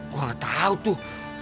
gue gak tau tuh